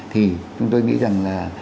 thì chúng tôi nghĩ rằng là